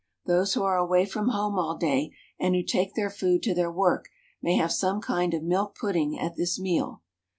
Those who are away from home all day, and who take their food to their work may have some kind of milk pudding at this meal.